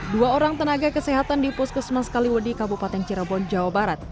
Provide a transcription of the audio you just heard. dua orang tenaga kesehatan di puskesmas kaliwo di kabupaten cirebon jawa barat